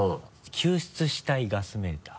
「救出したいガスメーター」